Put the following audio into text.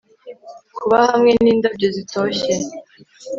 Kuba hamwe n indabyo zitoshye